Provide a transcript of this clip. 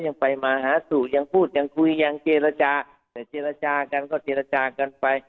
ยังไปมาหาสู่ยังพูดยังคุยยังเจรจาแต่เจรจากันก็เจรจากันไป